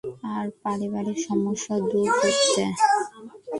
আর পারিবারিক সমস্যা দূর করতে।